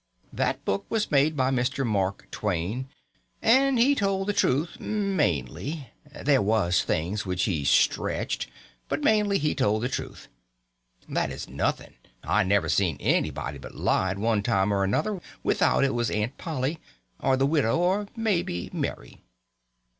That book was made by Mr. Mark Twain, and he told the truth, mainly. There was things which he stretched, but mainly he told the truth. That is nothing. I never seen anybody but lied one time or another, without it was Aunt Polly, or the widow, or maybe Mary.